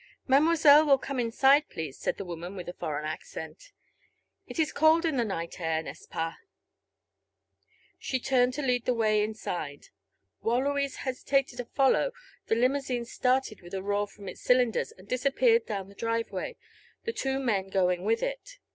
"Mademoiselle will come inside, please," said the woman, with a foreign accent. "It is cold in the night air, N'est ce pas?" She turned to lead the way inside. While Louise hesitated to follow the limousine started with a roar from its cylinders and disappeared down the driveway, the two men going with it.